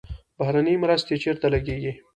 بهرنۍ مرستې چیرته لګیږي؟